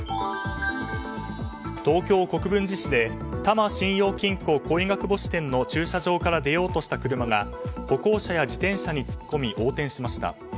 東京・国分寺市で多摩信用金庫恋ヶ窪支店の駐車場から出ようとした車が歩行者や自転車に突っ込み横転しました。